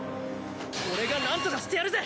俺がなんとかしてやるぜ！